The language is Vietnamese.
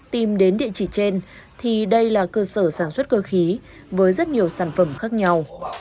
tìm đến địa chỉ trên thì đây là cơ sở sản xuất cơ khí với rất nhiều sản phẩm khác nhau